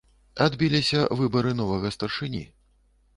Адбіліся выбары новага старшыні.